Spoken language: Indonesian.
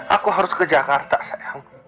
aku harus ke jakarta sayang